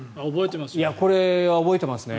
これは覚えてますね。